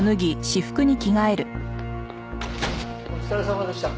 お疲れさまでした。